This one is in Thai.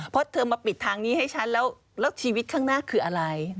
เพราะเธอมาปิดทางนี้ให้ฉันแล้วชีวิตข้างหน้าคืออะไร